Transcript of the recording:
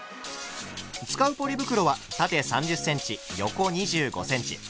使うポリ袋は縦３０ｃｍ横２５ｃｍ。